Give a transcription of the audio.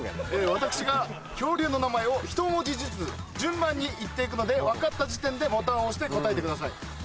私が恐竜の名前を一文字ずつ順番に言っていくので分かった時点でボタンを押して答えてください。